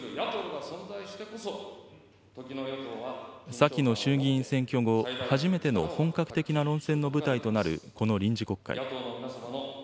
先の衆議院選挙後、初めての本格的な論戦の舞台となるこの臨時国会。